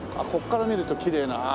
ここから見るときれいな。